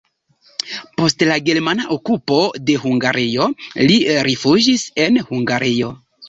Post la germana okupo de Hungario li fuĝis el Hungario.